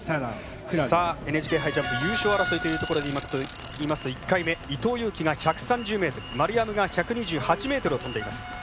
ＮＨＫ杯ジャンプ優勝争いというところでいいますと１回目、伊藤有希が１３０ｍ丸山が１２８ｍを飛んでいます。